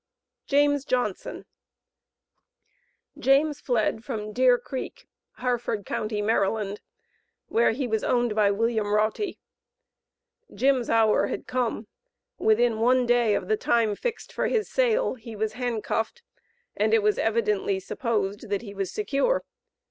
James Johnson. James fled from Deer Creek, Harford Co., Md., where he was owned by William Rautty. "Jim's" hour had come. Within one day of the time fixed for his sale, he was handcuffed, and it was evidently supposed that he was secure.